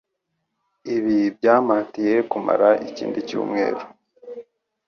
Ibi byampatiye kumara ikindi cyumweru